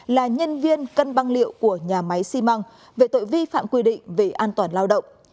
là nhân viên cân băng liệu của nhà máy xi măng về tội vi phạm quy định về an toàn lao động